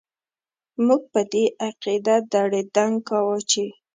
موږ په دې عقيده دړي دنګ کاوو چې ...